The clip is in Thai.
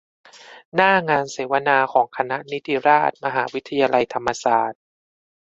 หน้างานเสวนาของคณะนิติราษฎร์ มหาวิทยาลัยธรรมศาสตร์